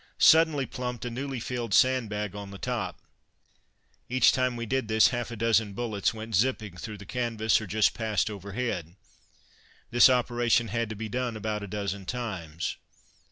suddenly plumped a newly filled sandbag on the top. Each time we did this half a dozen bullets went zipping through the canvas or just past overhead. This operation had to be done about a dozen times.